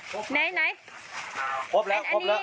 ใช่ใช่มันผมเอามีแต่แบงค์พันธุ์เท่านั้นเลย